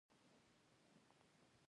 موزیک زړونه یوځای کوي.